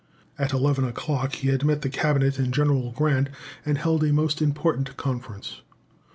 At eleven o'clock he had met the Cabinet and General Grant, and held a most important conference.